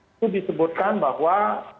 itu disebutkan bahwa